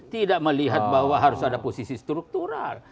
tidak melihat bahwa harus ada posisi struktural